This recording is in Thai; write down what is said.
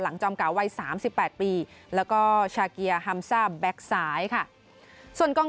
จอมเก่าวัย๓๘ปีแล้วก็ชาเกียร์ฮัมซ่าแบ็คซ้ายค่ะส่วนกอง